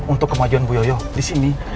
untuk kemajuan bu yoyo di sini